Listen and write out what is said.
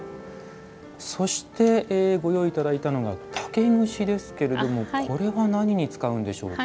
そしてご用意いただいたのが竹串ですけれどもこれは何に使うんでしょうか？